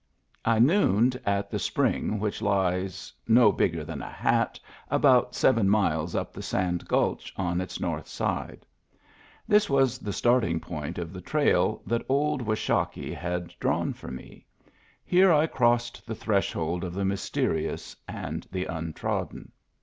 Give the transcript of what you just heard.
I nooned at the spring which lies, no bigger than a hat, about seven miles up the Sand Gulch on its north side. This was the starting point of the trail that old Washakie had drawn for me; here I crossed the threshold of the mysterious and the untrodden.